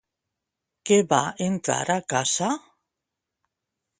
Què va entrar a casa?